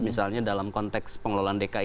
misalnya dalam konteks pengelolaan dki